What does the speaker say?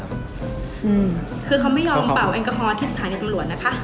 อืมคือเขาไม่ยอมเป่าแอลกอฮอลที่สถานีตำรวจนะคะ